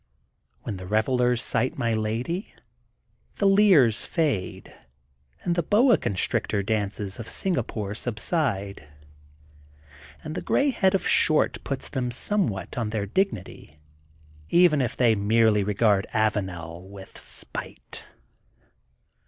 When the revellers sight my lady, the leers fade, and the boa constrictor dances of Singa pore subside. And the gray head of Short puts them somewhat on their dignity, even if they merely regard Avanel with spite.